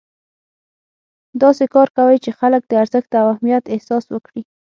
داسې کار کوئ چې خلک د ارزښت او اهمیت احساس وکړي.